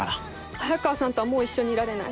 早川さんとはもう一緒にいられない。